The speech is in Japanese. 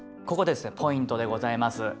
ここですねポイントでございます。